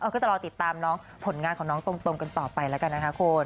ก็จะรอติดตามน้องผลงานของน้องตรงกันต่อไปแล้วกันนะคะคุณ